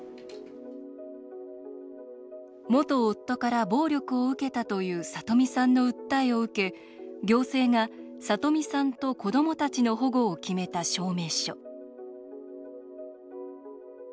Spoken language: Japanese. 元夫から暴力を受けたというさとみさんの訴えを受け行政が、さとみさんと子どもたちの保護を決めた証明書。